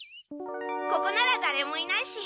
ここならだれもいないし。